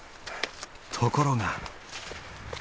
ところが。